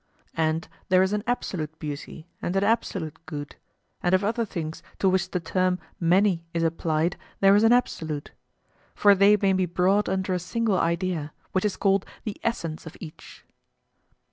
And there is an absolute beauty and an absolute good, and of other things to which the term 'many' is applied there is an absolute; for they may be brought under a single idea, which is called the essence of each.